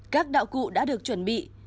các đạo cụ đã được chuẩn bị